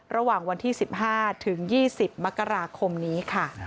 ระหว่างวันที่๑๕ถึง๒๐มกราคมนี้ค่ะ